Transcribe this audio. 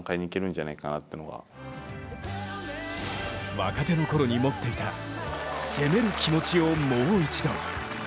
若手の頃に持っていた攻める気持ちをもう一度。